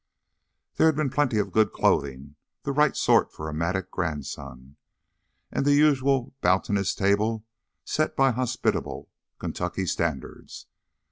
There had been plenty of good clothing the right sort for a Mattock grandson and the usual bounteous table set by hospitable Kentucky standards.